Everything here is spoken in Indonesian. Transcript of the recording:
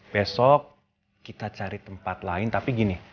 besok kita cari tempat lain tapi gini